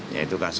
ya itu kasusnya